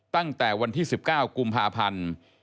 ตั้งแต่วันที่๑๙กุมภาพันธ์